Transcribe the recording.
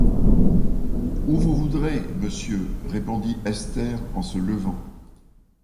Où vous voudrez, monsieur, répondit Esther en se levant.